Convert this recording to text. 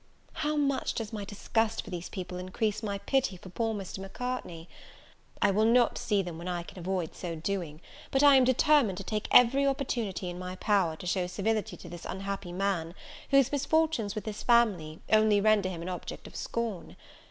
How much does my disgust for these people increase my pity for poor Mr. Macartney! I will not see them when I can avoid so doing; but I am determined to take every opportunity in my power to show civility to this unhappy man, whose misfortunes with this family, only render him an object of scorn.